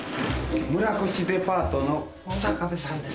村越デパートの日下部さんです。